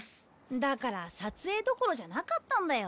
だから撮影どころじゃなかったんだよ。